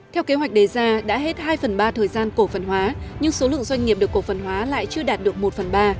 theo kế hoạch đề ra đã hết hai phần ba thời gian cổ phần hóa nhưng số lượng doanh nghiệp được cổ phần hóa lại chưa đạt được một phần ba